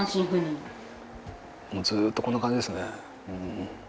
もうずっとこんな感じですね。